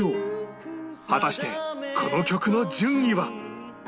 果たしてこの曲の順位は？